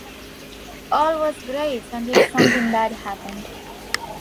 All was great until something bad happened.